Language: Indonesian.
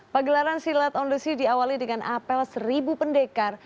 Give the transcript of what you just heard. pegelaran silat on the sea diawali dengan apel seribu pendekar